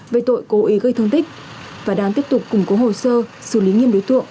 về tội cố ý gây thương tích và đang tiếp tục củng cố hồ sơ xử lý nghiêm đối tượng